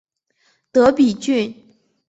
德比郡。